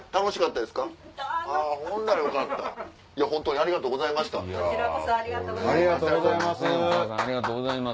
ありがとうございます。